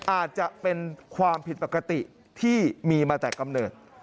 อาจจะเป็นความผิดปกติที่มีมาแต่กำเนิด